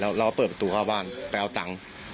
เราก็เปิดประตูเข้าบ้านไปเอาตังค์